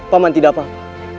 pak man tidak apa apa